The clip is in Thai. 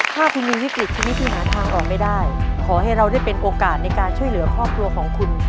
ถ้าคุณมีวิกฤตชีวิตที่หาทางออกไม่ได้ขอให้เราได้เป็นโอกาสในการช่วยเหลือครอบครัวของคุณ